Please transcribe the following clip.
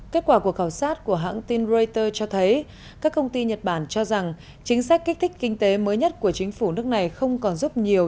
kết quả của khảo sát của hãng tin reuters cho thấy các công ty nhật bản cho rằng chính sách kích thích kinh tế mới nhất của chính phủ nước này không còn giúp nhiều